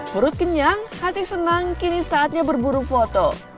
purut kenyang hati senang kini saatnya berburu foto